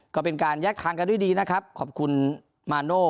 ก็เป็นการแยกทางกันด้วยดีนะครับขอบคุณมาโน่